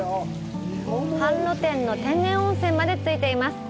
半露天の天然温泉までついています。